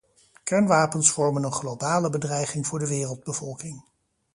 Kernwapens vormen een globale bedreiging voor de wereldbevolking.